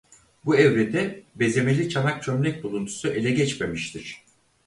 Bu evrede bezemeli çanak çömlek buluntusu ele geçmemiştir.